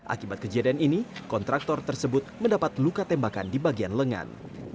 akibat kejadian ini kontraktor tersebut mendapat luka tembakan di bagian lengan